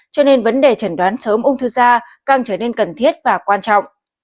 cho nên vấn đề trần đoán sớm ung thư da càng trở nên cần thiết và quan trọng